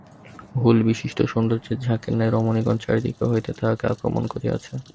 হুলবিশিষ্ট সৌন্দর্যের ঝাঁকের ন্যায় রমণীগণ চারিদিক হইতে তাঁহাকে আক্রমণ করিয়াছে।